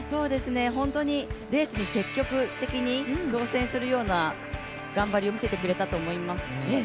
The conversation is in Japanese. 本当に、レースに積極的に挑戦するような頑張りを見せてくれたと思います。